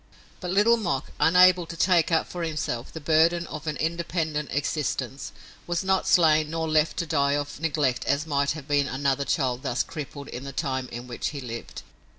But Little Mok, unable to take up for himself the burden of an independent existence, was not slain nor left to die of neglect as might have been another child thus crippled in the time in which he lived.